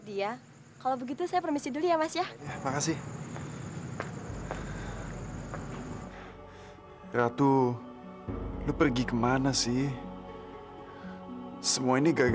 dan gue yakin suatu saat nanti lo bakalan bisa berterima kasih sama gue